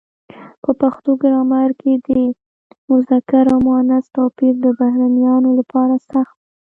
په پښتو ګرامر کې د مذکر او مونث توپیر د بهرنیانو لپاره سخت دی.